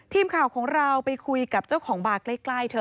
ทีมข่าวของเราไปคุยกับเจ้าของบาร์ใกล้เธอ